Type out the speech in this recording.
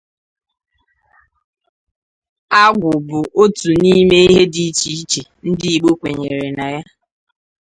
Agwụ bụ otu n'ime ihe dị iche iche ndị Igbo kwenyere na ya